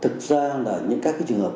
thực ra là những các cái trường hợp